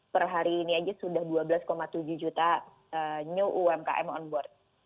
per hari ini aja sudah dua belas tujuh juta new umkm on board